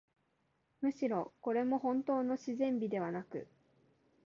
むしろ、これもほんとうの自然美ではなく、